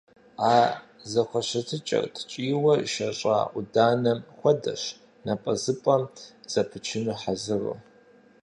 А зэхущытыкӀэр ткӀийуэ шэщӀа Ӏуданэм хуэдэщ, напӀэзыпӀэм зэпычыну хьэзыру.